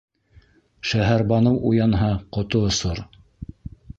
Шәһәрбаныу уянһа, ҡото осор...